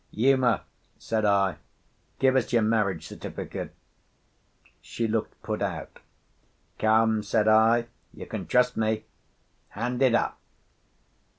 "Uma," said I, "give us your marriage certificate." She looked put out. "Come," said I, "you can trust me. Hand it up."